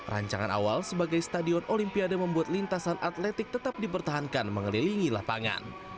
rancangan awal sebagai stadion olimpiade membuat lintasan atletik tetap dipertahankan mengelilingi lapangan